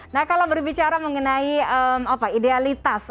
nah kalau berbicara mengenai idealitas